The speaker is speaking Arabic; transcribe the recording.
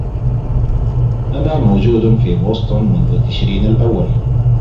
أنا موجود في بوستن منذ تشرين الأول.